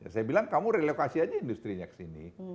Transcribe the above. saya bilang kamu relevasi aja industri nya ke sini